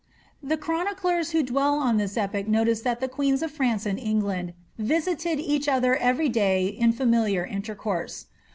The chroniclers who dwell on this epoch notice that the queens of France and England visited each other eveiy day in familiar intercourse.